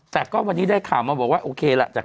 แต่ก็วันนี้ได้ข่าวมาบอกว่าโอเคล่ะจาก